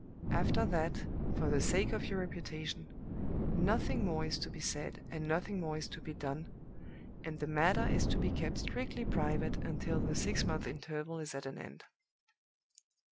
After that, for the sake of your reputation, nothing more is to be said, and nothing more is to be done, and the matter is to be kept strictly private until the six months' interval is at an end.